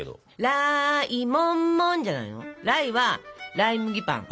ライはライ麦パン！